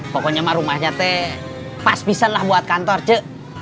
pokoknya mah rumahnya teh pas pisang lah buat kantor cuy